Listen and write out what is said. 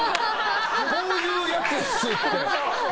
こういうやつっすって。